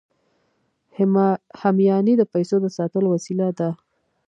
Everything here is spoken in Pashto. همیانۍ د پیسو د ساتلو وسیله ده